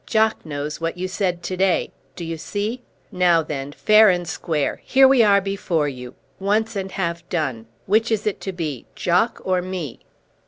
Jock knows what you said to day. D'you see? Now then, fair and square! Here we are before you; once and have done. Which is it to be, Jock or me?"